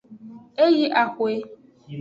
E yi axwe.